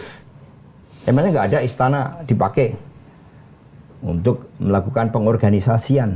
emangnya nggak ada istana dipakai untuk melakukan pengorganisasian